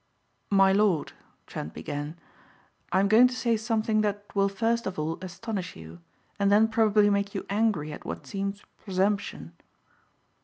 "My lord," Trent began, "I am going to say something that will first of all astonish you and then probably make you angry at what seems presumption."